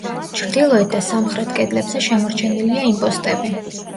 ჩრდილოეთ და სამხრეთ კედლებზე შემორჩენილია იმპოსტები.